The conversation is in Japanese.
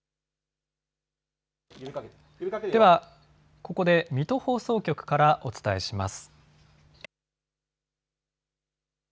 ではここで水戸放送局からお伝えします。